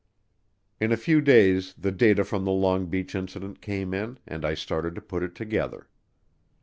In a few days the data from the Long Beach Incident came in and I started to put it together.